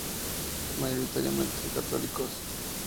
Son mayoritariamente católicos.